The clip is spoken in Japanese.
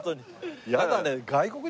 やだね。